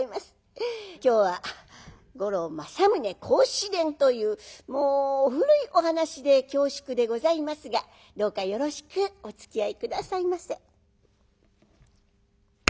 今日は「五郎正宗孝子伝」というもう古いお噺で恐縮でございますがどうかよろしくおつきあい下さいませ。